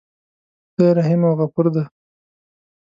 خدای رحیم او غفور دی.